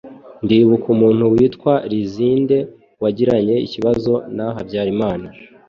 Ndibuka umuntu witwa Lizinde wagiranye ikibazo na Habyarimana